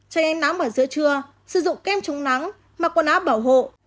trời ánh nắng ở giữa trưa sử dụng kem chống nắng mặc quần áo bảo hộ